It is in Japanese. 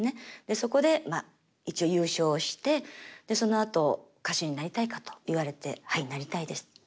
そこで一応優勝してそのあと歌手になりたいかと言われてはいなりたいですと。